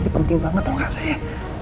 penting banget tau gak sih